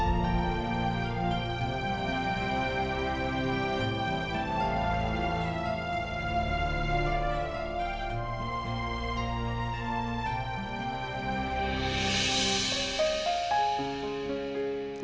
tidak tidak tidak